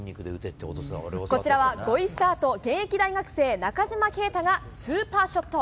こちらは５位スタート、現役大学生、中島啓太がスーパーショット。